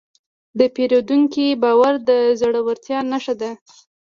د پیرودونکي باور د زړورتیا نښه ده.